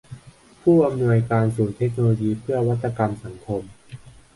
ผู้อำนวยการศูนย์เทคโนโลยีเพื่อนวัตกรรมสังคม